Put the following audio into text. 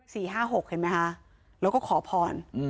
สี่ห้าหกเห็นไหมฮะแล้วก็ขอพร